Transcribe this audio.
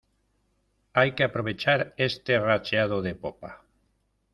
hay que aprovechar este racheado de popa.